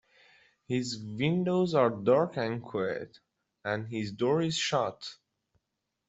His windows are dark and quiet, and his door is shut.